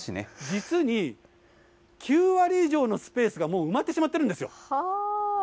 実に９割以上のスペースがもう埋まってしまっているんですよ。